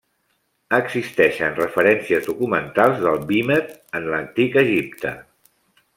Existeixen referències documentals del vímet en l'Antic Egipte.